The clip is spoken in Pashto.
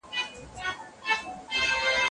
سباناري د هاضمې لپاره فعال وخت دی.